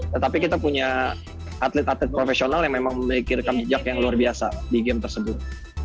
tetapi kita punya atlet atlet profesional yang memang memiliki rekam jejak yang luar biasa di game tersebut